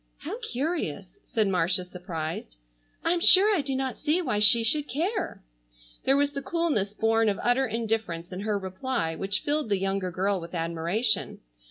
"How curious!" said Marcia surprised. "I'm sure I do not see why she should care!" There was the coolness born of utter indifference in her reply which filled the younger girl with admiration.